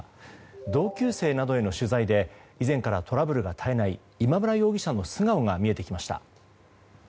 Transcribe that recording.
同級生などへの取材で以前からトラブルが絶えない今村容疑者の素顔が見えてきました。